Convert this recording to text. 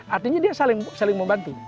artinya dia saling membantu